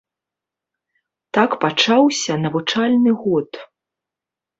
Так пачаўся навучальны год.